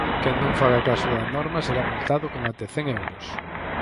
Quen non faga caso da norma será multado con ata cen euros.